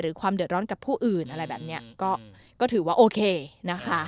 ความเดือดร้อนกับผู้อื่นอะไรแบบนี้ก็ถือว่าโอเคนะคะ